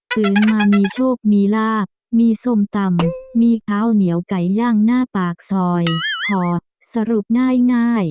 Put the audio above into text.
ตื่นมามีโชคมีลาบมีส้มตำมีข้าวเหนียวไก่ย่างหน้าปากซอยพอสรุปง่าย